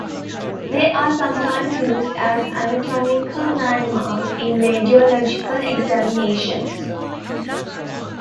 They are sometimes used as anatomical landmarks in radiological examinations.